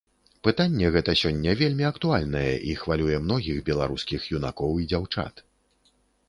Пытанне гэта сёння вельмі актуальнае і хвалюе многіх беларускіх юнакоў і дзяўчат.